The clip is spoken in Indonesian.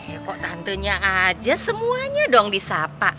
eh kok tantenya aja semuanya dong di sapa